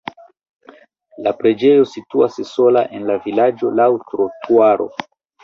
La preĝejo situas sola en la vilaĝo laŭ trotuaro.